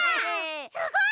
すごい！